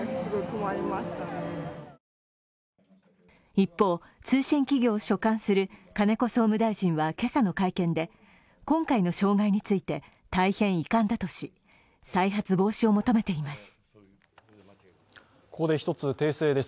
一方、通信企業を所管する金子総務大臣は今朝の会見で今朝の会見で今回の障害について大変遺憾だとし、再発防止を求めています。